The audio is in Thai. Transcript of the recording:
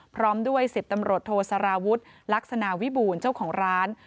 พร้อมด้วย๑๐ตำรวจโทสารวุฒิลักษณะวิบูรณ์เจ้าของร้าน